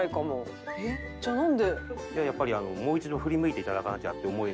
やっぱりもう一度振り向いて頂かなきゃって思い